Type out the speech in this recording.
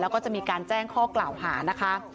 แล้วก็จะมีการแจ้งข้อกล่าวหานะคะ